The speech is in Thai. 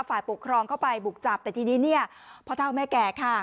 ฝ่ายปกครองเข้าไปบุกจับแต่ทีนี้เนี่ยพ่อเท่าแม่แก่ค่ะ